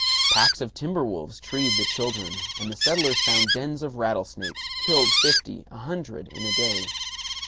Packs of timber wolves treed the children; and the settlers found dens of rattle snakes, killed fifty, a hundred, in a day.